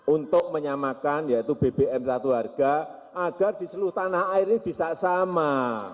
untuk menyamakan yaitu bbm satu harga agar di seluruh tanah air ini bisa sama